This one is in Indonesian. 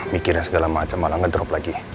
mikirnya segala macam malah ngedrop lagi